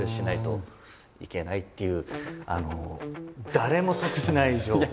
誰も得しない情報。